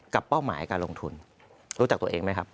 เป้าหมายการลงทุนรู้จักตัวเองไหมครับ